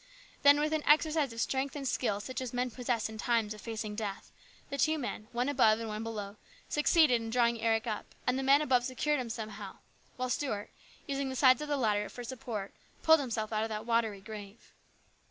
Then with an exercise of strength and skill such as men possess in times of facing death, the two men, one above and one below, succeeded in drawing Eric up, and the man above secured him somehow, while Stuart, using the sides of the ladder for support, pulled himself out of that watery grave.